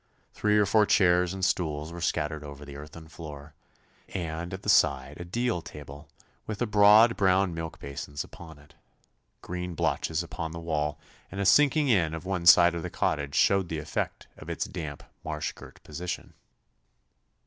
Three or four chairs and stools were scattered over the earthen floor, and at the side a deal table with the broad brown milk basins upon it. Green blotches upon the wall and a sinking in of one side of the cottage showed the effect of its damp, marsh girt position.